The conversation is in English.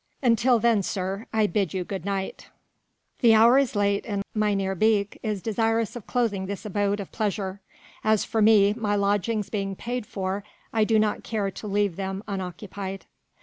Until then, sir, I bid you good night. The hour is late and Mynheer Beek is desirous of closing this abode of pleasure. As for me, my lodgings being paid for I do not care to leave them unoccupied."